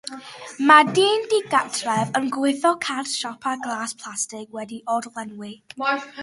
Mae dyn digartref yn gwthio cart siopa glas plastig wedi'i orlenwi.